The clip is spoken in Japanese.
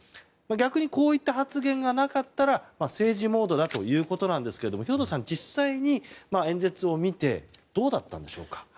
逆にこういった発言がなかったら政治モードだということですが兵頭さん、実際に演説を見てどうだったんでしょうか。